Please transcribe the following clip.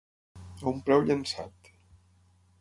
A un preu llençat.